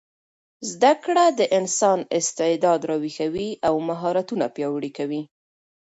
زده کړه د انسان استعداد راویښوي او مهارتونه پیاوړي کوي.